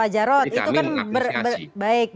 jadi kami mengapresiasi